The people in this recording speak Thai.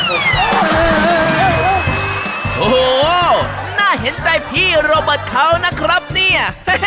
โอ้โหน่าเห็นใจพี่โรเบิร์ตเขานะครับเนี่ย